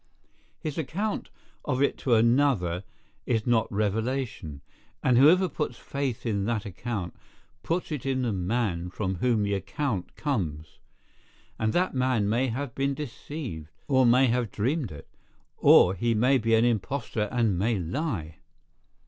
His account of it to another is not revelation; and whoever puts faith in that account, puts it in the man from whom the account comes; and that man may have been deceived, or may have dreamed it; or he may be an impostor and may lie.